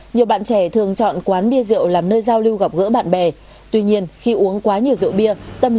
nhiều bạn trẻ thường chọn quán bia rượu làm nơi giao lưu gặp gỡ bạn bè